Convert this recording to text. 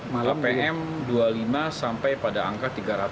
malah pm dua puluh lima sampai pada angka tiga ratus